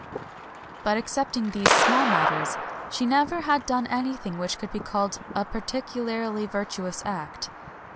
But excepting these small matters, she never had done anything which could be called a par ticularly virtuous act.